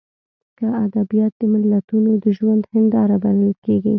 که ادبیات د ملتونو د ژوند هینداره بلل کېږي.